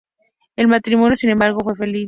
El matrimonio, sin embargo, fue feliz.